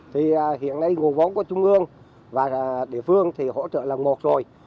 thì hiện nay ngụ vốn của trung ương và địa phương thì hỗ trợ là một rồi